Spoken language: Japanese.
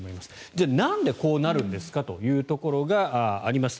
じゃあなんでこうなるんですかというところがあります。